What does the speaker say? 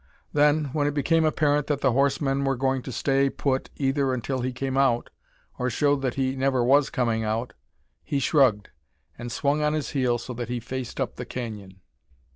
Then, when it became apparent that the horsemen were going to stay put either until he came out, or showed that he never was coming out, he shrugged, and swung on his heel so that he faced up the canyon.